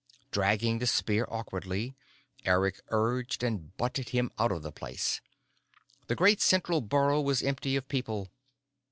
Dragging the spear awkwardly, Eric urged and butted him out of the place. The great central burrow was empty of people.